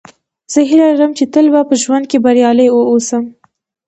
زه هیله لرم، چي تل په ژوند کښي بریالی اوسم.